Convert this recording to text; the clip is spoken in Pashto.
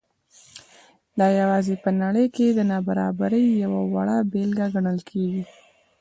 دا یوازې په نړۍ کې د نابرابرۍ یوه وړه بېلګه ګڼل کېږي.